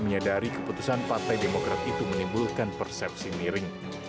menyadari keputusan partai demokrat itu menimbulkan persepsi miring